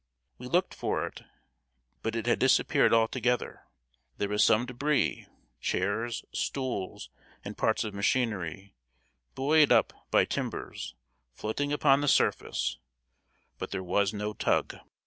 We looked for it, but it had disappeared altogether. There was some débris chairs, stools, and parts of machinery, buoyed up by timbers, floating upon the surface; but there was no tug.